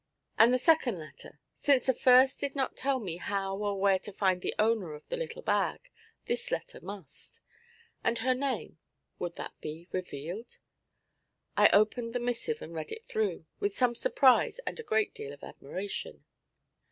And the second letter. Since the first did not tell me how or where to find the owner of the little bag, this letter must. And her name would that be revealed? I opened the missive and read it through, with some surprise and a great deal of admiration.